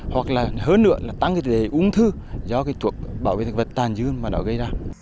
hoặc là hơn nữa là tăng cái đề uống thư do cái thuốc bảo vệ thực vật tàn dư mà nó gây ra